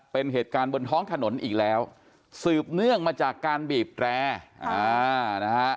เป็นเหตุการณ์บนท้องถนนอีกแล้วสืบเนื่องมาจากการบีบแตรอ่านะฮะ